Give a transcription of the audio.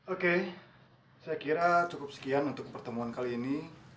oke saya kira cukup sekian untuk pertemuan kali ini